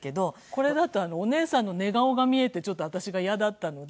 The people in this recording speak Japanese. これだとお姉さんの寝顔が見えてちょっと私が嫌だったので。